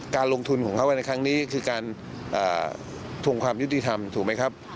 การลงทุนของเขาในครั้งนี้คือการทวงความยุติธรรมถูกไหมครับ